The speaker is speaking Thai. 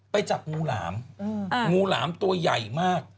จับงูหลามงูหลามตัวใหญ่มาก